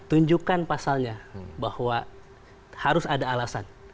tunjukkan pasalnya bahwa harus ada alasan